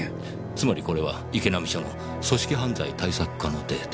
つまりこれは池波署の組織犯罪対策課のデータ。